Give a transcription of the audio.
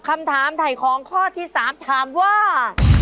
คำถามถ่ายของข้อที่๓ถามว่า